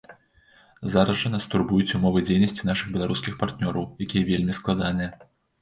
Зараз жа нас турбуюць умовы дзейнасці нашых беларускіх партнёраў, якія вельмі складаныя.